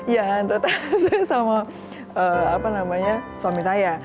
yang ternyata sama suami saya